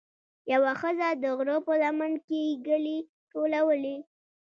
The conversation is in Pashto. یوه ښځه د غره په لمن کې ګلې ټولولې.